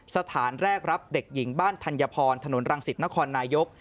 สถานแรกรับเด็กหญิงบ้านธัญพรถนนรังสิตนครนายก